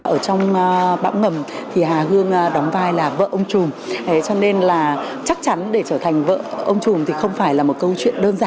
ở trong bão ngầm thì hà hương đóng vai là vợ ông trùm cho nên là chắc chắn để trở thành vợ ông trùm thì không phải là một câu chuyện đơn giản